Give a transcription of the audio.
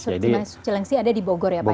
cilengsi ada di bogor ya pak ya